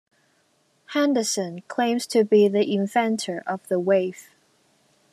Henderson claims to be the inventor of "the wave".